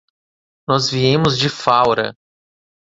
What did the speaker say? Nós viemos de Faura.